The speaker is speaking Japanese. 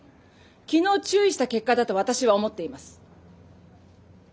昨日注意した結果だと私は思っています。